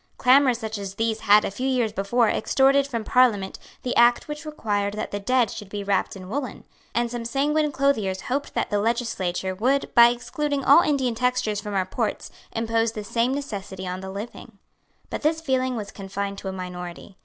Clamours such as these had, a few years before, extorted from Parliament the Act which required that the dead should be wrapped in woollen; and some sanguine clothiers hoped that the legislature would, by excluding all Indian textures from our ports, impose the same necessity on the living. But this feeling was confined to a minority.